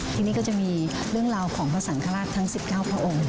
ที่นี่ก็จะมีเรื่องราวของพระสังฆราชทั้ง๑๙พระองค์